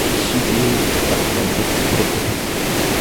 الشتي ، اكتر فصل بحبه